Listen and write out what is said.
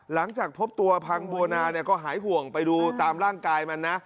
หลังจากพบตัวพังบัวนาก็หายห่วงไปดูตามร่างกายมันนะ